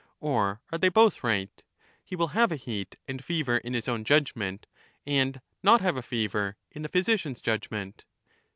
Or are they both right?— he will have a heat and fever in his own judgment, and not have a fever in the physician's judgment